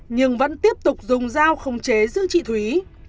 nhưng vẫn tiếp tục dùng dao không chế giữ chị thúy